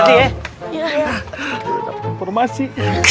udah dapet informasi